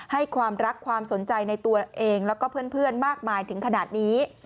ให้ความรักความสนใจในตัวเองแล้วก็เพื่อนมากมายถึงขนาดนี้